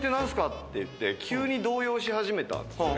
って言って急に動揺し始めたんですね。